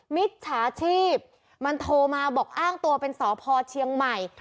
มิจฉาชีพมันโทรมาบอกอ้างตัวเป็นสพเชียงใหม่